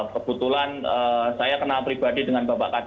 kebetulan saya kenal pribadi dengan bapak kadir nusantara